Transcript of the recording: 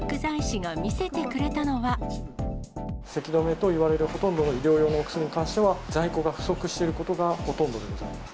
せき止めといわれるほとんどの医療用のお薬に関しては、在庫が不足していることがほとんどでございます。